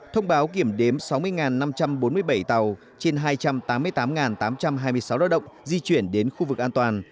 thông báo kiểm đếm sáu mươi năm trăm bốn mươi bảy tàu trên hai trăm tám mươi tám tám trăm hai mươi sáu lao động di chuyển đến khu vực an toàn